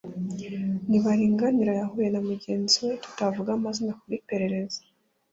Ntibaringanira yahuye na mugenzi we tutavuga amazina ku bw’iperereza